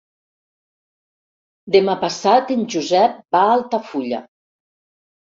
Demà passat en Josep va a Altafulla.